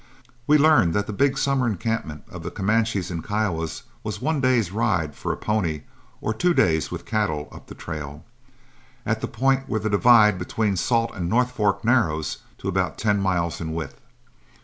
We learned that the big summer encampment of the Comanches and Kiowas was one day's ride for a pony or two days' with cattle up the trail, at the point where the divide between Salt and North Fork narrows to about ten miles in width.